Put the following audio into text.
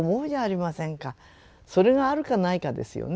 それがあるかないかですよね。